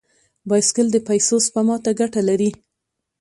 بایسکل د پیسو سپما ته ګټه لري.